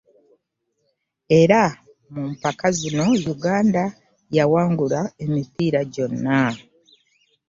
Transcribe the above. Era mu mpaka zino Uganda yawangula emipiira gyonna.